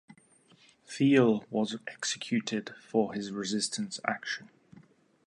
Thiel was executed for his resistance action.